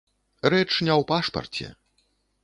Рэч не ў пашпарце.